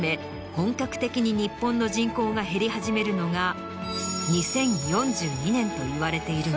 本格的に日本の人口が減り始めるのが２０４２年といわれているが。